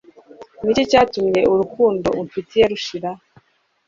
Niki cyatumye urukundo umfitiye rushira